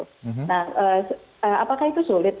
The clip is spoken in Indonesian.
nah apakah itu sulit